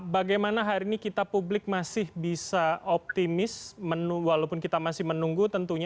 bagaimana hari ini kita publik masih bisa optimis walaupun kita masih menunggu tentunya